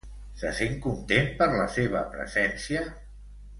Se sent content per la seva presència?